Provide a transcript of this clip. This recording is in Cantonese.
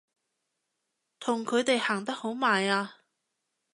同佢哋行得好埋啊！